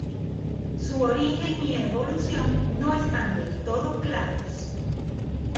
Su origen y evolución no están del todo claros.